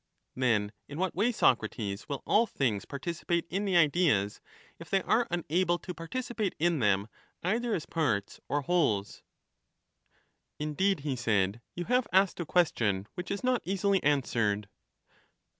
Then in what way, Socrates, will all things participate in the ideas, if they are unable to participate in them either as parts or wholes ? Indeed, he said, you have asked a question which is not easily answered.